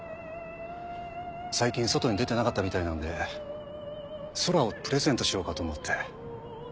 最近外に出てなかったみたいなんで空をプレゼントしようかと思って。